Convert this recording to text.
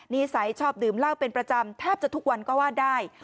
นิสัยชอบดื่มเหล้าเป็นประจำแทบจะทุกวันก็ว่าได้